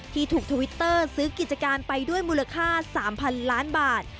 ที่ถูกทวิตเตอร์ซื้อกิจการไปด้วยมูลค่า๓๐๐๐ล้านบาท